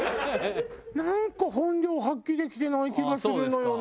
なんか本領を発揮できてない気がするのよね。